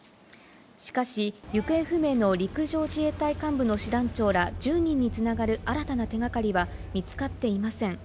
しかし、行方不明の陸上自衛隊幹部の師団長ら１０人に繋がる新たな手がかりは見つかっていません。